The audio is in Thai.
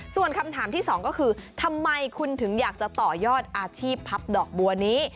ส่วนคำถามที่สองก็คือทำไมคุณถึงอยากจะต่อยอดอาชีพพับดอกบัวนี้